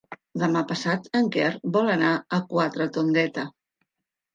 Demà passat en Quer vol anar a Quatretondeta.